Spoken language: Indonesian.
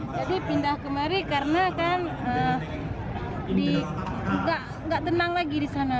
jadi pindah kemari karena kan gak tenang lagi di sana